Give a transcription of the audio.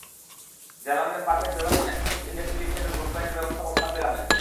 জানালেন perfect beverage and food industries লিমিটেডের group brand ব্যবস্থাপক সাব্বির আহমেদ।